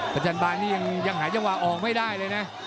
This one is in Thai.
ประจันบานยังหายเวลาออกไม่ได้เลยนะ